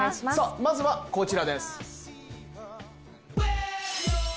まずはこちらです。